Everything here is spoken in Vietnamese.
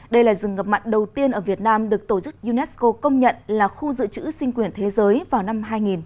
đây là rừng ngập mặn đầu tiên ở việt nam được tổ chức unesco công nhận là khu dự trữ sinh quyền thế giới vào năm hai nghìn